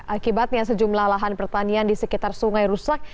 akibatnya sejumlah lahan pertanian di sekitar sungai rusak